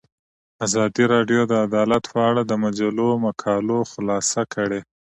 ازادي راډیو د عدالت په اړه د مجلو مقالو خلاصه کړې.